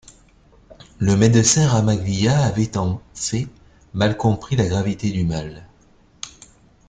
Le médecin Ramaglia avait en fait mal compris la gravité du mal.